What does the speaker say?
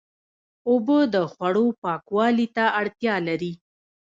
اوبه د خوړو پاکوالي ته اړتیا لري.